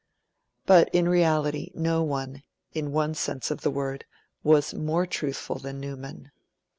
But, in reality, no one, in one sense of the word, was more truthful than Newman.